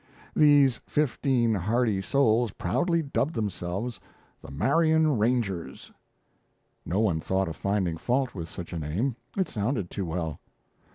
These fifteen hardy souls proudly dubbed themselves the Marion Rangers. No one thought of finding fault with such a name it sounded too well.